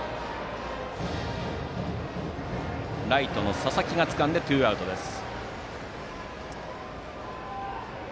ライトの佐々木がつかんでツーアウトです。